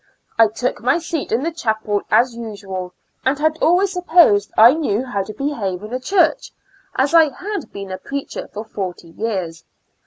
I took my seat in the chapel as usual, and had always 'sup posed I knew how to behave in a church, as I had been a preacher forty years.